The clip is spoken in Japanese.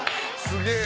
すげえ。